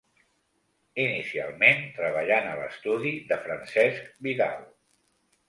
Inicialment treballant a l'estudi de Francesc Vidal.